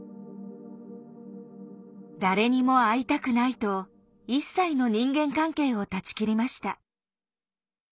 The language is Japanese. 誰にも会いたくないと一切の人間関係を断ち切りました。